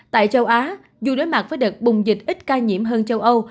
tại châu á dù đối mặt với đợt bùng dịch ít ca nhiễm hơn châu âu